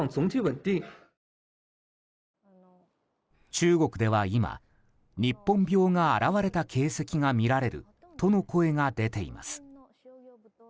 中国では今、日本病が現れた形跡が見られるとの声が出ています。